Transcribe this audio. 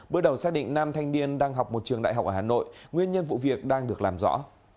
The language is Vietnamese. bước đầu xác định nam thanh niên đang học một trường đại học ở hà nội nguyên nhân vụ việc đang được làm rõ